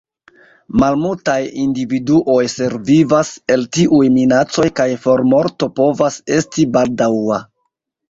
Malmultaj individuoj survivas el tiuj minacoj kaj formorto povas esti baldaŭa.